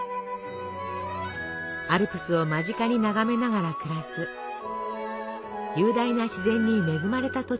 アルプスを間近に眺めながら暮らす雄大な自然に恵まれた土地なんです。